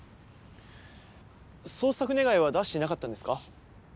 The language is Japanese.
捜索願は出していなかったんですか？